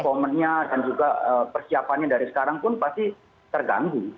womennya dan juga persiapannya dari sekarang pun pasti terganggu